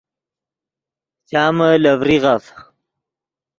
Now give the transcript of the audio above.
چامے لے ڤریغف